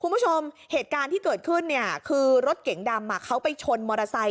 คุณผู้ชมเหตุการณ์ที่เกิดขึ้นเนี่ยคือรถเก๋งดำเขาไปชนมอเตอร์ไซค